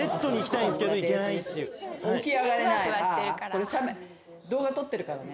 これ動画撮ってるからね。